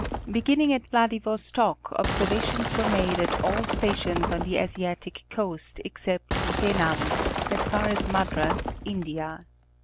Beginning at Vladi vostok observations were made at all stations on the Asiatic coast except Penang, as far as Madras, India.